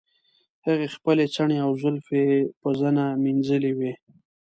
هغې خپلې څڼې او زلفې په زنه مینځلې وې.